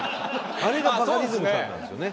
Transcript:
あれがバカリズムさんなんですよね。